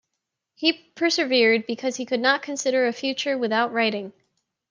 He persevered because he could not consider a future without writing.